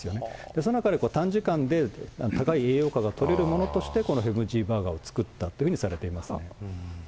その中で短時間で高い栄養価がとれるものとしてこのヘブンジーバーガーを作ったというふうにされていますね。